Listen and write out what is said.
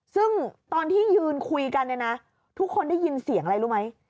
ซึ่งตอนที่ยืนคุยกันเนี่ยนะทุกคนได้ยินเสียงอะไรรู้ไหม